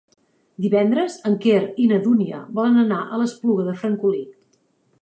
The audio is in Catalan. Divendres en Quer i na Dúnia volen anar a l'Espluga de Francolí.